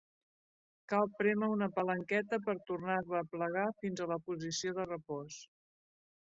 Cal prémer una palanqueta per tornar-la a plegar fins a la posició de repòs.